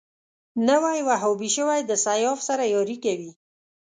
نوی وهابي شوی د سیاف سره ياري کوي